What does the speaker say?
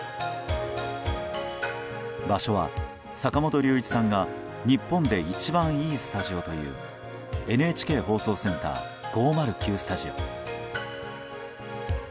場所は、坂本龍一さんが日本で一番いいスタジオというＮＨＫ放送センター５０９スタジオ。